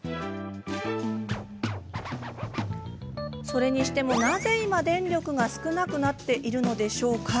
それにしても、なぜ今、電力が少なくなっているのでしょうか。